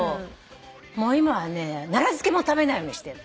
今はね奈良漬も食べないようにしてる。